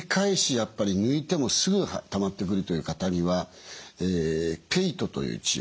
やっぱり抜いてもすぐたまってくるという方にはＰＥＩＴという治療。